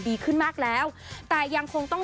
ดีขึ้นมากแล้วแต่ยังคงต้อง